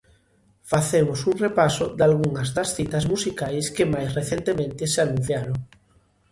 Facemos un repaso dalgunhas das citas musicais que máis recentemente se anunciaron.